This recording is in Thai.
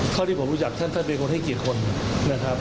เท่าที่ผมรู้จักท่านท่านเป็นคนให้เกียรติคนนะครับ